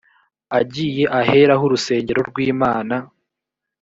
agiye ahera hurusengero rw imana